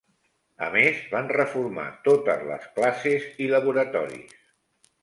A més, van reformar totes les classes i laboratoris.